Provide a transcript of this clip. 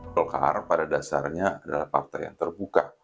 golkar pada dasarnya adalah partai yang terbuka